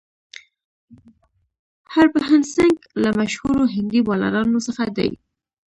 هربهن سنګ له مشهورو هندي بالرانو څخه دئ.